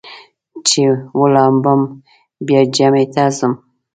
چې ولامبم بیا جمعې ته ځم.